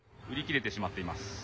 売り切れてしまっています。